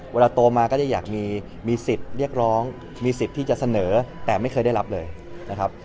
เวลาโตมาก็จะอยากมีสิทธิ์เรียกร้องมีสิทธิ์ที่จะเสนอแต่ไม่เคยได้รับเลยนะครับ